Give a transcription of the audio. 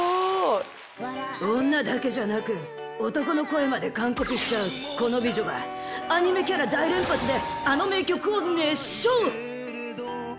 ［女だけじゃなく男の声までカンコピしちゃうこの美女がアニメキャラ大連発であの名曲を熱唱］